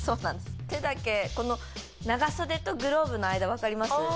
手だけこの長袖とグローブの間分かります？